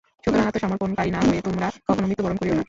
সুতরাং আত্মসমর্পণকারী না হয়ে তোমরা কখনও মৃত্যুবরণ করিও না।